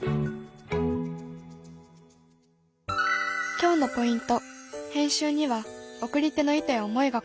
今日のポイント